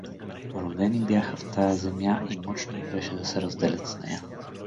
Родени бяха в тая земя и мъчно им беше да се разделят с нея.